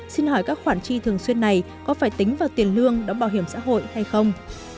xin hỏi các khoản chi thường xuyên này có phải tính vào tiền lương đóng bảo hiểm xã hội hay không